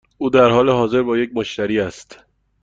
او در حال حاضر با یک مشتری است.